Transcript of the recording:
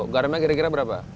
garamnya kira kira berapa